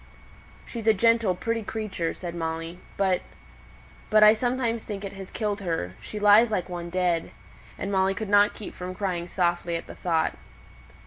"She's a gentle, pretty creature," said Molly. "But but I sometimes think it has killed her; she lies like one dead." And Molly could not keep from crying softly at the thought.